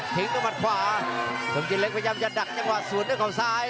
ทิ้งต้นผ่านขวาสกิเล็กพยายามจะดักจังหวะสวนของซ้าย